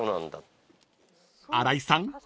［新井さん